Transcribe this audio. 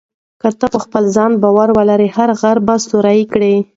که ته په خپل ځان باور ولرې، هر غر به سوري کړې.